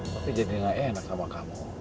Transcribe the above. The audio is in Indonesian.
tapi jadi gak enak sama kamu